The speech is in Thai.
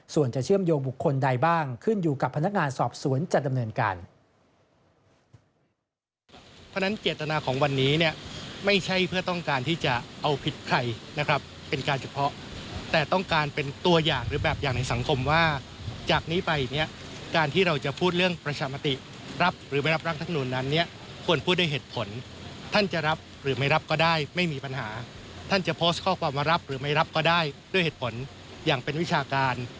ส่วนจะเชื่อมโยงบุคคลใดบ้างขึ้นอยู่กับพนักงานสอบสวนจะดำเนินการ